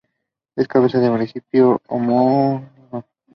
Es cabeza del municipio homónimo.